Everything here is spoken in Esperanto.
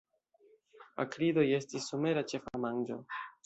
Akridoj estis somera ĉefa manĝo.